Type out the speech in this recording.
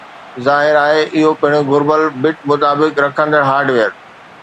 ظاھر آھي اھو پڻ گھربل بٽ-مطابقت رکندڙ هارڊويئر